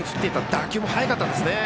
打球も速かったですね。